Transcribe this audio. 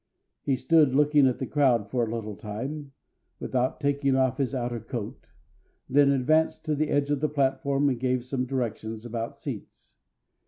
He stood looking at the crowd for a little time, without taking off his outer coat, then advanced to the edge of the platform and gave some directions about seats.